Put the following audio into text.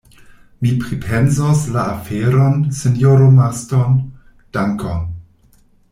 Mi pripensos la aferon, sinjoro Marston; dankon.